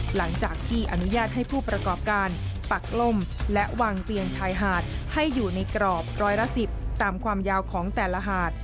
หลังจากที่อนุญาตให้ผู้ประกอบการปักล่มและวางเตียงชายหาดให้อยู่ในกรอบร้อยละ๑๐ตามความยาวของแต่ละหาด